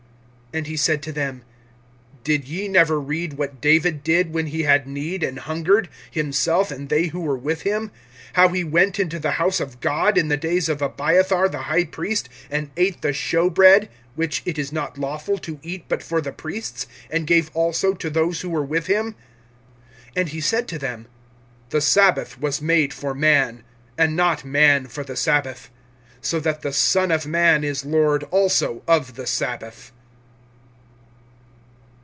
(25)And he said to them: Did ye never read what David did, when he had need and hungered, himself and they who were with him; (26)how he went into the house of God, in the days of Abiathar the high priest, and ate the show bread, which it is not lawful to eat but for the priests, and gave also to those who were with him? (27)And he said to them: The sabbath was made for man, and not man for the sabbath. (28)So that the Son of man is Lord also of the sabbath.